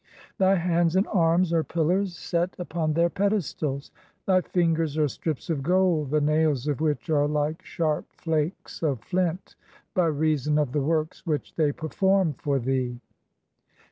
Thy hands and arms are pillars (?) "[set] upon their pedestals; thy fingers are strips (?) of gold, the "nails of which are like sharp flakes (3o) of flint by reason of "the works which they perform for thee."